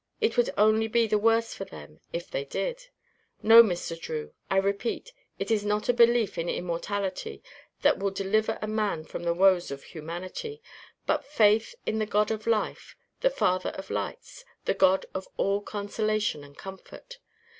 It would only be the worse for them if they did. No, Mr. Drew! I repeat, it is not a belief in immortality that will deliver a man from the woes of humanity, but faith in the God of life, the father of lights, the God of all consolation and comfort.